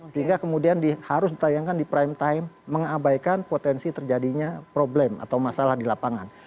sehingga kemudian harus ditayangkan di prime time mengabaikan potensi terjadinya problem atau masalah di lapangan